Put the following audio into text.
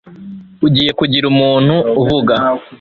ugiye kugira umuntu uvuga